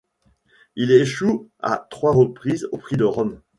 Il échoue à trois reprises au prix de Rome.